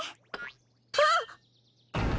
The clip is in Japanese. あっ！